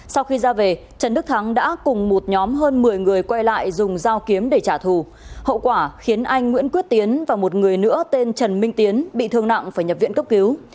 sau khi ra về trần đức thắng đã cùng một nhóm hơn một mươi người quay lại dùng dao kiếm để trả thù hậu quả khiến anh nguyễn quyết tiến và một người nữa tên trần minh tiến bị thương nặng phải nhập viện cấp cứu